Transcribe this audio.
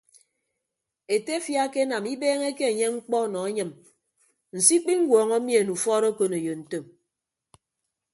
Etefia akenam ibeeñeke enye mkpọ nọ anyịm nso ikpiñwuọñọ mien ufọọd okoneyo ntom.